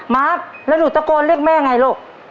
มาร์คแล้วหนูตะโกนเรียกแม่ไงลูก